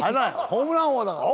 ホームラン王だから。